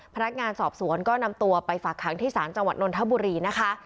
พนักงานสอบสวนก็นำตัวไปฝากขังที่ศาลจังหวัดนนทบุรีนะคะ